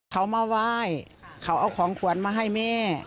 เขามาว่ายเขาเอาของขวนมาให้แม่